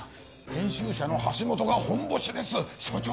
編集者の橋本がホンボシです署長！